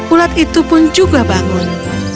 ulat itu pun juga bangun